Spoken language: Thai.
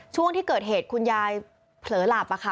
ช่วงที่เกิดเหตุคุณยายเผลอหลับค่ะ